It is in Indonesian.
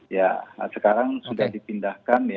ya sekarang sudah dipindahkan ya